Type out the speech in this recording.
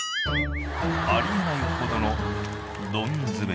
［あり得ないほどの］